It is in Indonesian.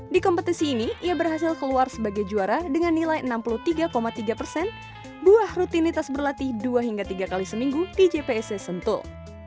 di kompetisi ini ia berhasil keluar sebagai juara dengan nilai enam puluh tiga tiga persen buah rutinitas berlatih dua hingga tiga kali seminggu di jpsc sentul